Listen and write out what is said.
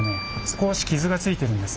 少し傷がついてるんです。